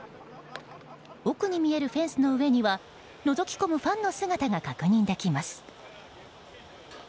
奥に見えるフェンスの上にはのぞき込むファンの姿が確認できます。